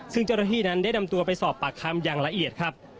ซึ่งเจ้าหน้าที่นั้นได้นำตัวไปสอบปากคำอย่างละเอียดครับ